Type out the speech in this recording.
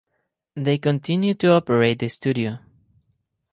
They continue to operate the studio.